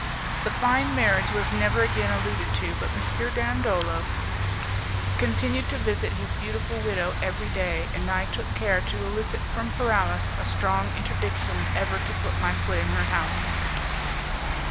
The fine marriage was never again alluded to. M. Dandolo continued to visit his beautiful widow every day, and I took care to elicit from Paralis a strong interdiction ever to put my foot in her house.